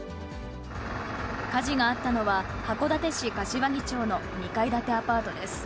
火事があったのは、函館市柏木町の２階建てアパートです。